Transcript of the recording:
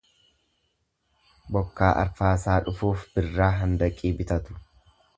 Bokkaa arfaasaa dhufuuf birraa handaqii bitatu.